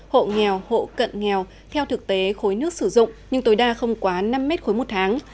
hộ nghèo hộ cận nghèo theo thực tế khối nước sử dụng nhưng tối đa không quá năm mét khối một tháng